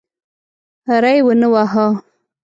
ری ونه واهه.